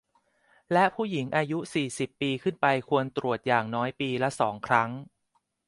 และผู้หญิงอายุ สี่สิบ ปีขึ้นไปควรตรวจอย่างน้อยปีละ สอง ครั้ง